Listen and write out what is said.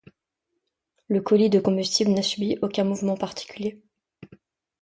Le colis de combustible n'a subi aucun mouvement particulier.